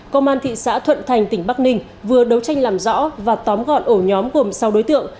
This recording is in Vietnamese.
công an thị xã thuận thành tỉnh bắc ninh vừa đấu tranh làm rõ và tóm gọn ổ nhóm gồm sáu đối tượng